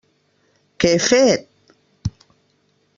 Què he fet?